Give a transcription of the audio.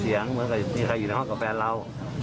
อ๋อเห็นเสียงเหมือนมีใครอยู่ในห้องกับแฟนเรา